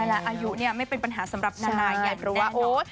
และอายุเนี่ยไม่เป็นปัญหาสำหรับนานาอย่างแน่นอน